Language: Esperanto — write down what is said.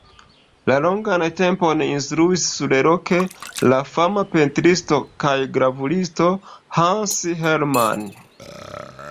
Longan tempon instruis surloke la fama pentristo kaj gravuristo Hans Hermann.